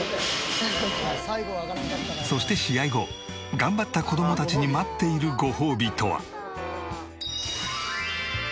そして試合後頑張った子どもたちに待っているごほうびとは？